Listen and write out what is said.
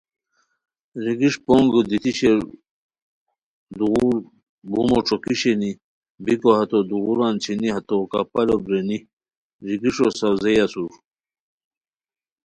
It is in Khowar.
ریگش پونگو دیتی شیر دوغور بومو ݯوکی شینی بیکو ہتو دوغوران چھینی ہتو کپالو بیرینی ریگیݰو ساؤزیئے اسور